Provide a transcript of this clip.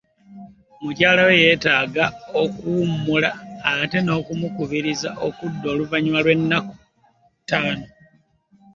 Mukyala wo yeetaaga okuwummula, ate n'okumukubiriza okudda oluvannyuma lw'ennaku ttaano.